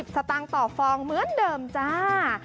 สตางค์ต่อฟองเหมือนเดิมจ้า